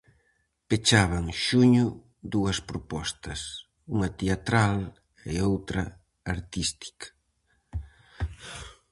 Pechaban xuño dúas propostas, unha teatral e outra artística.